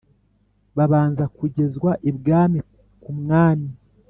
babanza kugezwa ibwami ku mwami